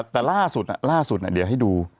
แต่ล่าสุดอ่ะเดี๋ยวให้ดู